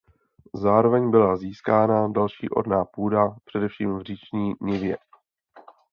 Zároveň byla získána další orná půda především v říční nivě.